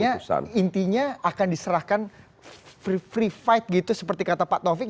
jadi intinya akan diserahkan free fight gitu seperti kata pak taufik